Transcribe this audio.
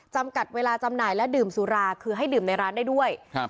จำกัดเวลาจำหน่ายและดื่มสุราคือให้ดื่มในร้านได้ด้วยครับ